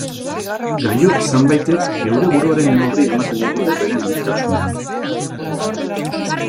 Gailur zenbaitek geure buruaren neurria ematen digute beren handitasunean.